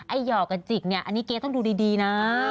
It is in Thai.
หยอกกับจิกเนี่ยอันนี้เก๊ต้องดูดีนะ